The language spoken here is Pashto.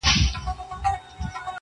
سره ورک یې کړل زامن وروڼه پلرونه٫